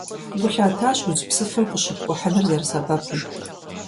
Гу лъатащ удз псыфым къыщыпкӀухьыныр зэрысэбэпым.